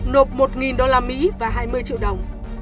nộp một usd và hai mươi triệu đồng